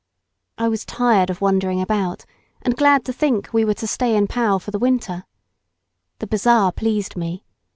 I was tired of wandering about, and glad to think we were to stay in Pau for the winter. The bazaar pleased me.